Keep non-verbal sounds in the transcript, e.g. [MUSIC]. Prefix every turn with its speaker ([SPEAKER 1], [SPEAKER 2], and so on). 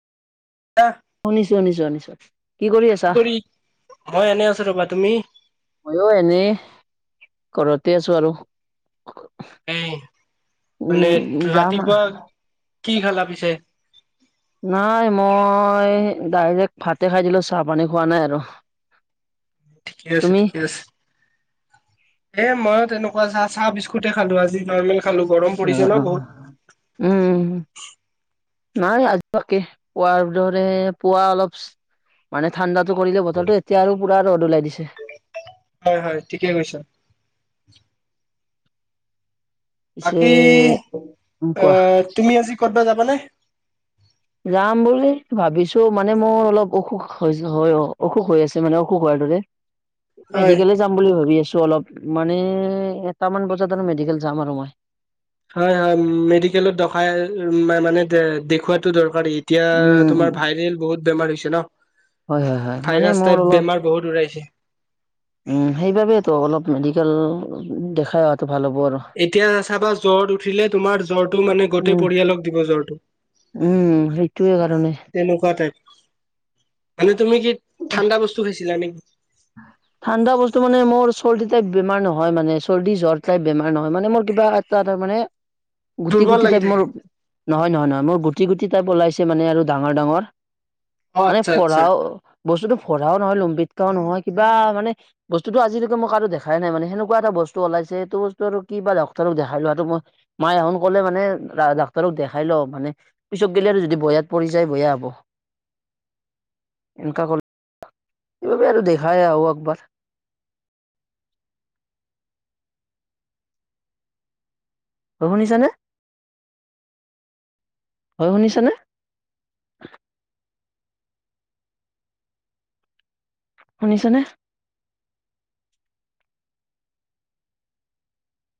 [SPEAKER 1] কি
[SPEAKER 2] শুনিছো শুনিছো শুনিছো, কি কৰি আছা?
[SPEAKER 1] মই এনে আছো ৰবা তুমি
[SPEAKER 2] মইয়ো এনেই ঘৰতে আছো আৰু।
[SPEAKER 1] এনেই মানে
[SPEAKER 2] উম যাম
[SPEAKER 1] ৰাতিপুৱা কি খালা পিছে?
[SPEAKER 2] নাই মই ডাইৰেক্ট ভাতে খাই দিলো চাহ পানী খোৱা নাই আৰু।
[SPEAKER 1] ঠিকে আছে
[SPEAKER 2] তুমি?
[SPEAKER 1] ঠিকে আছে। এ মইয়ো তেনেকুৱা চাহ-চাহ বিস্কুটে খালো আজি নৰ্মেলি।
[SPEAKER 2] অঁ, উম। নাই আজিও একেই, পুৱাৰ দৰে পুৱা অলপ মানে ঠাণ্ডাত- কৰিলে বতৰ টো এতিয়া আৰু পুৰা ৰ'দ ওলাই দিছে
[SPEAKER 1] হয় হয় ঠিকে কৈছ
[SPEAKER 2] পিছে
[SPEAKER 1] বাকী
[SPEAKER 2] উম
[SPEAKER 1] অ
[SPEAKER 2] কোৱা
[SPEAKER 1] তুমি আজি ক'তবা যাবানে?
[SPEAKER 2] যাম বুলি ভাবিছো মানে মোৰ অলপ অসুখ হৈ অসুখ হৈ আছে মানে অসুখ হোৱাৰ দৰে
[SPEAKER 1] হয়
[SPEAKER 2] মেডিকেলে যাম বুলি ভাবি আছো অলপ মানে এটামান বজাত আৰু মেডিকেল যাম আৰু মই
[SPEAKER 1] হয় হয় মেডিকেলত দখাই মানে দেখুৱাতটো দৰকাৰি এতিয়া
[SPEAKER 2] উম।
[SPEAKER 1] তোমাৰ ভাইৰেল বহুত বেমাৰ হৈছে ন
[SPEAKER 2] হয় হয় হয় মানে
[SPEAKER 1] ভাইৰাছ
[SPEAKER 2] মোৰ
[SPEAKER 1] টাইপ
[SPEAKER 2] অলপ
[SPEAKER 1] বেমাৰ বহুত ওৰাইছে
[SPEAKER 2] উম সেইবাবেতো অলপ মেডিকেল দেখাই অহাটো ভাল হ'ব আৰু
[SPEAKER 1] এতিয়া চাবা জ্বৰ উঠিলে তোমাৰ জ্বৰটো মানে গটেই
[SPEAKER 2] উম।
[SPEAKER 1] পৰিয়ালক দিব জ্বৰটো
[SPEAKER 2] উম সেইটোৱে কাৰণে
[SPEAKER 1] তেনেকুৱা টাইপ মানে তুমি কি ঠাণ্ডা বস্তু খাইছিলা নেকি?
[SPEAKER 2] ঠাণ্ডা বস্তু মানে মোৰ চৰ্দি টাইপ বেমাৰ নহয় মানে, চৰ্দি জ্বৰ টাইপ বেমাৰ নহয় মানে মোৰ কিবা এটা মানে গুটি
[SPEAKER 1] দুৰ্বল
[SPEAKER 2] গুটি
[SPEAKER 1] লাগি
[SPEAKER 2] টাইপ
[SPEAKER 1] থাকে।
[SPEAKER 2] মোৰ নহয় নহয় নহয় মোৰ গুটি গুটি টাইপ ওলাইছে মানে আৰু ডাঙৰ ডাঙৰ
[SPEAKER 1] অ'
[SPEAKER 2] মানে
[SPEAKER 1] আচ্ছা আচ্ছা।
[SPEAKER 2] ফৰাও বস্তুতো ফৰাও নহয় লম্বিতকাও নহয় কিবা মানে বস্তুটো আজিলৈকে মই কাৰো দেখাই নাই মানে সেনেকুৱা এটা বস্তু ওলাইছে এইটো বস্তু আৰু কিবা ডক্ৰৰক দেখাই লোৱাটো মই মায়ে এনে কলে মানে ডাক্তৰক দেখাই ল মানে পিছত গেলে আৰু যদি বেয়াত পৰি যায় বেয়া হব
[SPEAKER 1] [INAUDIBLE]
[SPEAKER 2] এনকা কলে কি কৰবি আৰু দেখাই আহোঁ একবাৰ শুনিছানে, হয় শুনিছানে? শুনিছানে?